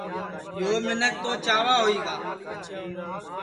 یو منکھ توچاوا ہوئی گا